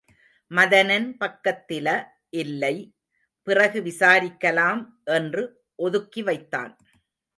மதனன் பக்கத்தில இல்லை பிறகு விசாரிக்கலாம் என்று ஒதுக்கிவைத்தான்.